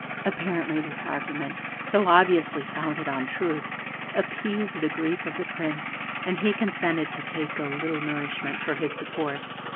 Apparently this argument, so obviously founded on truth, appeased the grief of the Prince, and he consented to take a little nourishment for his support.